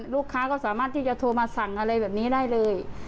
ลูกค้าก็สามารถที่จะโทรมาสั่งอะไรแบบนี้ได้เลย